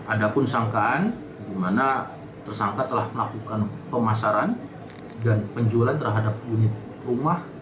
ada pun sangkaan di mana tersangka telah melakukan pemasaran dan penjualan terhadap unit rumah